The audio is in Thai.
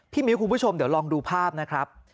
มิ้วคุณผู้ชมเดี๋ยวลองดูภาพนะครับ